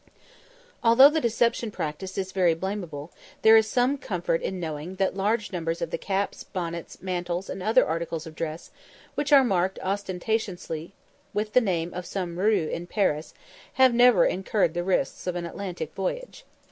Although the deception practised is very blameable, there is some comfort in knowing that large numbers of the caps, bonnets, mantles, and other articles of dress, which are marked ostentatiously with the name of some Rue in Paris, have never incurred the risks of an Atlantic voyage.